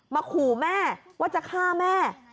ขู่แม่ว่าจะฆ่าแม่